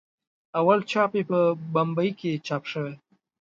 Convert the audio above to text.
اول چاپ یې په بمبئي کې چاپ شوی.